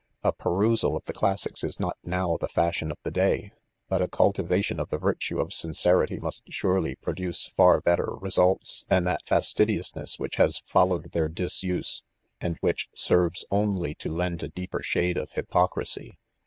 — A. perusal^ of the classics is not, now, the fashion of the day i but a cultivation of the virtus of sincerity must surely pro luce far better results than that fastidiousness which has fol lowed their disuse, sind which serves only, to lend a deeper shade to hypocrisy.